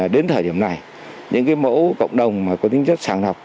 đến thời điểm này những mẫu cộng đồng có tính chất sàng học